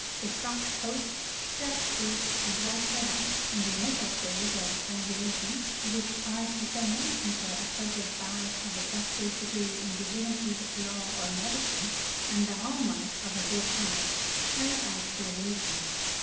The frock coat, dark suit, and white cravat in the initial stage of strangulation, which are to so many people a sort of badge of a doctor's degree in divinity, law, or medicine, and the hall mark of a good heart, carried out the illusion.